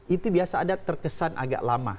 itu biasa ada terkesan agak lama